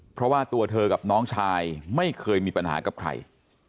เพราะว่าตัวเธอกับน้องชายไม่เคยมีปัญหากับใคร